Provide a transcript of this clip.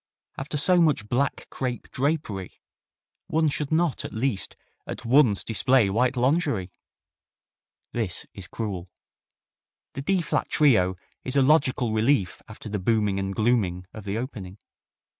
After so much black crepe drapery one should not at least at once display white lingerie!" This is cruel. The D flat Trio is a logical relief after the booming and glooming of the opening.